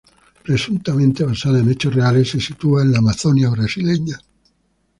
Presuntamente basada en hechos reales, se sitúa en la amazonia brasileña.